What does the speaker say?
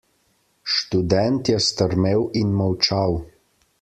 Študent je strmel in molčal.